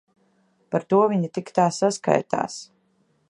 Par to viņa tik tā saskaitās.